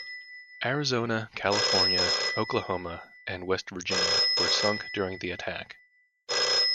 "Arizona", "California", "Oklahoma", and "West Virginia" were sunk during the attack.